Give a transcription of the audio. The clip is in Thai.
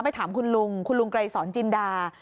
ถามคุณลุงคุณลุงไกรสอนจินดา